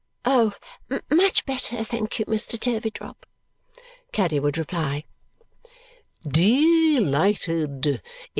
"Oh, much better, thank you, Mr. Turveydrop," Caddy would reply. "Delighted!